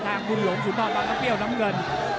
ทางบุญหลงสุดท้อนบังน้ำเบียวน้ำเงิน